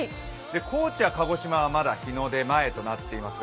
高知や鹿児島はまだ日の出前となっています。